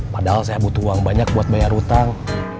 padahal saya butuh uang banyak buat bayar utang